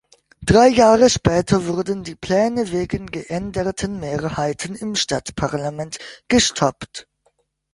Drei Jahre später wurden die Pläne wegen geänderten Mehrheiten im Stadtparlament gestoppt.